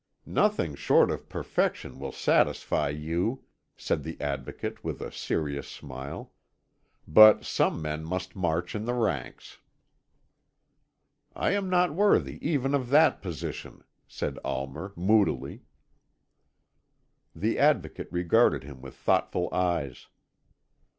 "Nothing short of perfection will satisfy you," said the Advocate with a serious smile; "but some men must march in the ranks." "I am not worthy even of that position," said Almer moodily. The Advocate regarded him with thoughtful eyes.